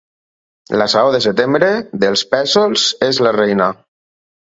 La saó de setembre, dels pèsols és la reina.